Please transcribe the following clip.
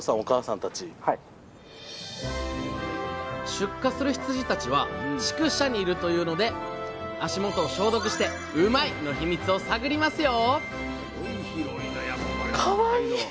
出荷する羊たちは畜舎にいるというので足元を消毒してうまいッ！のヒミツを探りますよ！